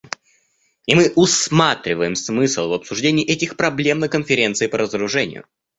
И мы усматриваем смысл в обсуждении этих проблем на Конференции по разоружению.